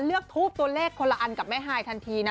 ทูปตัวเลขคนละอันกับแม่ฮายทันทีนะ